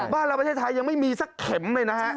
บ้านเราประเทศไทยยังไม่มีสักเข็มเลยนะฮะ